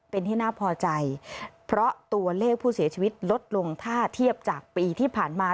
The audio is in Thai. เป็นที่น่าพอใจเพราะตัวเลขผู้เสียชีวิตลดลงถ้าเทียบจากปีที่ผ่านมา